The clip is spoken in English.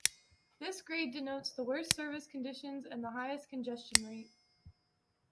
This grade denotes the worst service conditions and the highest congestion rate.